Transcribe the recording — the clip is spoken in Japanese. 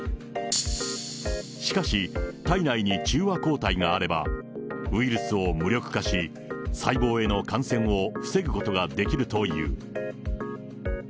しかし、体内に中和抗体があれば、ウイルスを無力化し、細胞への感染を防ぐことができるという。